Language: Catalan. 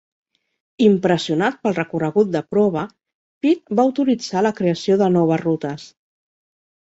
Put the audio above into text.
Impressionat pel recorregut de prova, Pitt va autoritzar la creació de noves rutes.